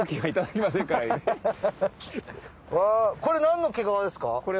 これ何の毛皮ですか？